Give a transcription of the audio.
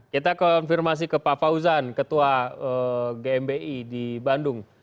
kita konfirmasi ke pak fauzan ketua gmi di bandung